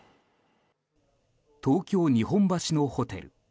東京・日本橋のホテル。